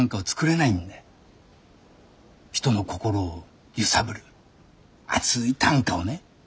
人の心を揺さぶる熱い短歌をね。